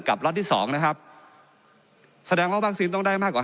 ล็อตที่สองนะครับแสดงว่าวัคซีนต้องได้มากกว่า